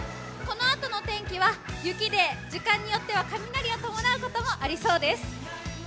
このあとの天気は雪で時間によっては雷を伴うこともありそうです。